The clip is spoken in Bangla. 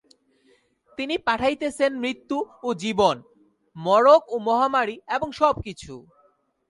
তিনি পাঠাইতেছেন মৃত্যু ও জীবন, মড়ক ও মহামারী এবং সবকিছু।